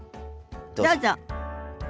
どうぞ。